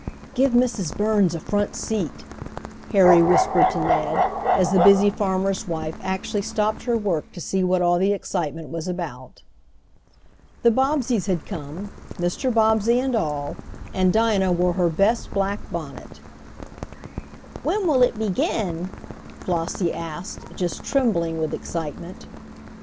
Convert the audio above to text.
"Give Mrs. Burns a front seat," Harry whispered to Ned, as the busy farmer's wife actually stopped her work to see what all the excitement was about. The Bobbseys had come Mr. Bobbsey and all, and Dinah wore her best black bonnet. "When will it begin?" Flossie asked, just trembling with excitement.